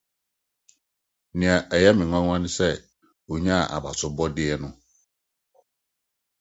Nea ɛyɛɛ me nwonwa ne sɛ, onyaa Abasobɔde no.